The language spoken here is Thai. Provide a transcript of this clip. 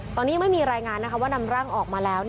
ตอนนี้ยังไม่มีรายงานว่านำร่างออกมาแล้ว